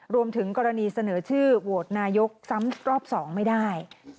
รวมถึงกรณีเสนอชื่อโหวตนายกซ้ำรอบ๒ไม่ได้